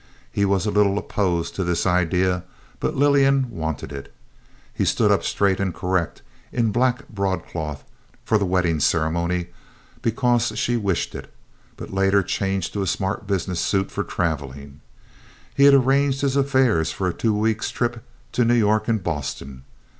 He was a little opposed to this idea, but Lillian wanted it. He stood up straight and correct in black broadcloth for the wedding ceremony—because she wished it, but later changed to a smart business suit for traveling. He had arranged his affairs for a two weeks' trip to New York and Boston.